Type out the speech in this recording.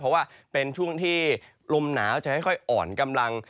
เพราะว่าเป็นช่วงที่ลมหนาวจะค่อยอ่อนกำลัง